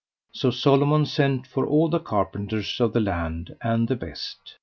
So Solomon sent for all the carpenters of the land, and the best.